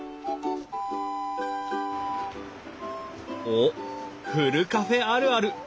おっふるカフェあるある。